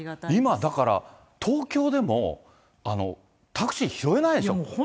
今、だから東京でもタクシー拾えないでしょう。